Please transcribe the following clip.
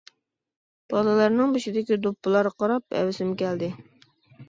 بالىلارنىڭ بېشىدىكى دوپپىلارغا قاراپ ھەۋىسىم كەلدى.